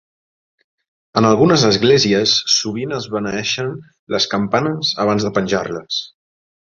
En algunes esglésies, sovint es beneeixen les campanes abans de penjar-les.